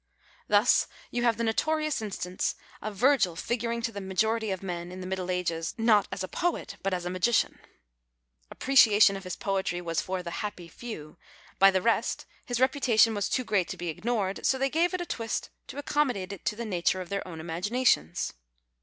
Thus you have the notorious instance of Virgil figuring to the majority of men in the middle ages not as a poet but as a magician. Appreciation of his poetry was for the " happy few "; by the rest his reputation was too great to be ignored, so they gave it a twist to accommodate it to the nature of their own imaginations.